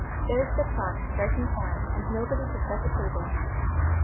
There's the clock striking five, and nobody to set the table.